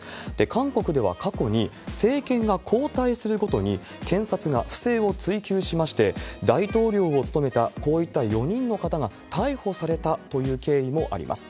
韓国では過去に、政権が交代するごとに検察が不正を追及しまして、大統領を務めた、こういった４人の方が逮捕されたという経緯もあります。